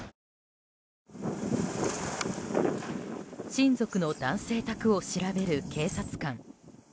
親族の男性宅を調べる警察官。